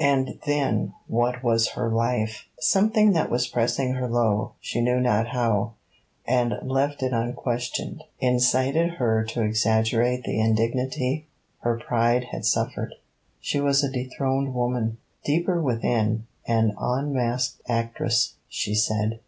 And then what was her life! Something that was pressing her low, she knew not how, and left it unquestioned, incited her to exaggerate the indignity her pride had suffered. She was a dethroned woman. Deeper within, an unmasked actress, she said.